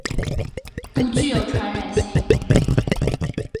不具有传染性。